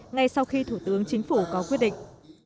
ngay sau khi thủ tướng chính phủ có quyết định